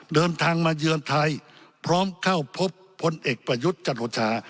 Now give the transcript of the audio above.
เดินทางมาเยือนไทยพร้อมเข้าพบพลเอกประยุทธ์จันโอชา